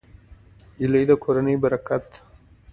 نجلۍ د کورنۍ برکت ده.